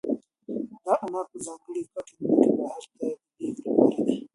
دا انار په ځانګړو کارتنونو کې بهر ته د لېږد لپاره دي.